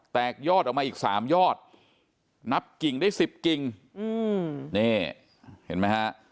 ยอดออกมาอีกสามยอดนับกิ่งได้สิบกิ่งนี่เห็นไหมฮะ